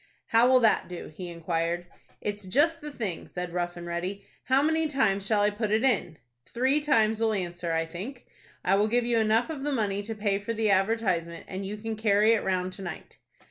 "How will that do?" he inquired. "It's just the thing," said Rough and Ready. "How many times shall I put it in?" "Three times will answer, I think. I will give you enough of the money to pay for the advertisement, and you can carry it round to night."